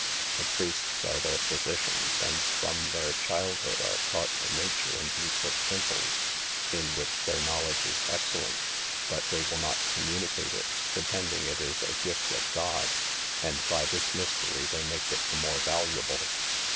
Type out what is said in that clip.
The priests are their physicians, and from their childhood are taught the nature and use of simples, in which their knowledge is excellent; but they will not communicate it, pretending it is a gift of God; and by this mystery they make it the more valuable.